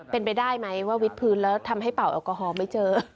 เป็นไปได้ไหมว่าวิทพื้นแล้วทำให้เป่าแอลกอฮอลไม่เจอ